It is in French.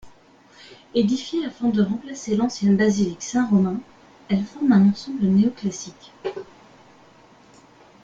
Édifiée au afin de remplacer l'ancienne basilique Saint-Romain, elle forme un ensemble néo-classique.